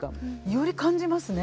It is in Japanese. より感じますね。